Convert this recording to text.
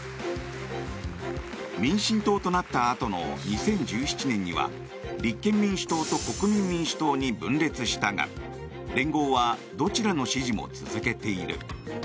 民進党となったあとの２０１７年には立憲民主党と国民民主党に分裂したが連合はどちらの支持も続けている。